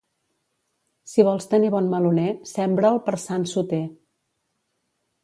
Si vols tenir bon meloner, sembra'l per Sant Soter.